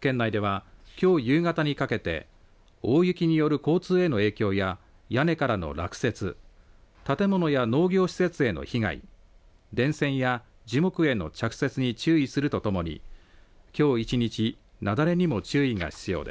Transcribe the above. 県内では、きょう夕方にかけて大雪による交通への影響や屋根からの落雪建物や農業施設への被害電線や樹木への着雪に注意するとともにきょう１日、雪崩にも注意が必要です。